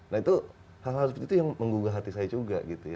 nah hal hal seperti itu yang menggugah hati saya juga